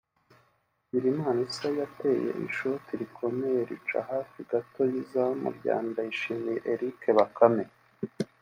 Bigirimana Issa yateye ishoti rikomeye rica hafi gato y’izamu rya Ndayishimiye Eric Bakame